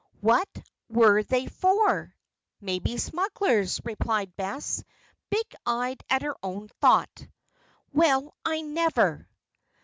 "What were they for?" "Maybe smugglers," replied Bess, big eyed at her own thought. "Well! I never!"